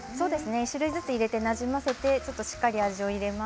１種類ずつ入れてなじませてしっかり味を入れます。